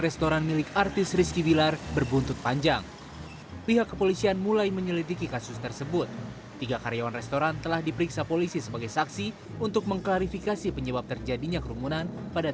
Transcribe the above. salah satu pemilik resto menyatakan